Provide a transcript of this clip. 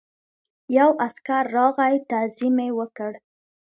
یو عسکر راغی تعظیم یې وکړ.